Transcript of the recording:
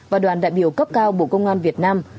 và đoàn đại biểu cấp cao bộ công an việt nam